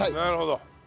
なるほど。